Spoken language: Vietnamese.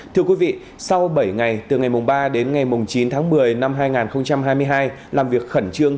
thưa quý vị sau bảy ngày từ ngày ba đến ngày chín tháng một mươi năm hai nghìn hai mươi hai làm việc khẩn trương